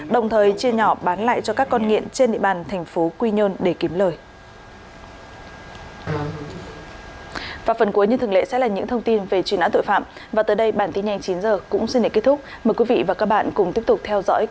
đồng thời chia nhỏ bán lại cho các con nghiện trên địa bàn thành phố quy nhơn để kiếm lời